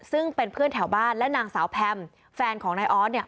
ซึ่งเป็นเพื่อนแถวบ้านและนางสาวแพมแฟนของนายออสเนี่ย